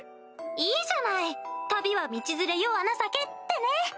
いいじゃない旅は道連れ世は情けってね。